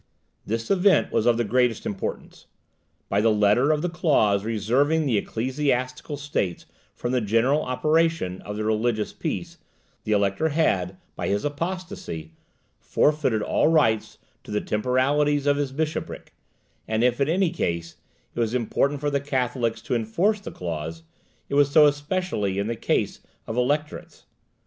This event was of the greatest importance. By the letter of the clause reserving the ecclesiastical states from the general operation of the religious peace, the elector had, by his apostacy, forfeited all right to the temporalities of his bishopric; and if, in any case, it was important for the Catholics to enforce the clause, it was so especially in the case of electorates.